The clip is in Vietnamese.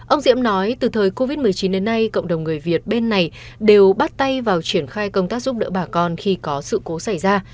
ông diễm nói từ thời covid một mươi chín đến nay cộng đồng người việt bên này đều bắt tay vào triển khai công tác giúp đỡ bà con khi có sự cố xảy ra